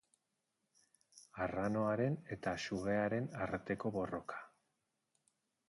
Arranoaren eta sugearen arteko borroka.